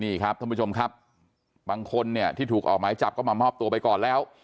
นี่ครับท่านผู้ชมครับบางคนเนี่ยที่ถูกออกหมายจับก็มามอบตัวไปก่อนแล้ว